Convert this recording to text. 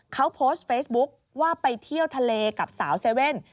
เขาโพสต์เฟซบุ๊คว่าไปเที่ยวทะเลกับสาวเซเว่น